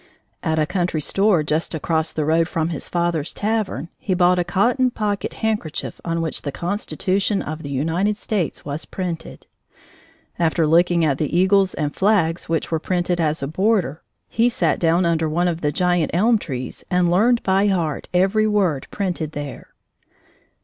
At a country store, just across the road from his father's tavern, he bought a cotton pocket handkerchief on which the Constitution of the United States was printed. After looking at the eagles and flags which were printed as a border, he sat down under one of the giant elm trees and learned by heart every word printed there.